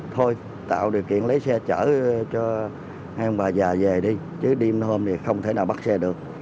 thôi tạo điều kiện lấy xe chở cho hai ông bà già về đi chứ đêm hôm thì không thể nào bắt xe được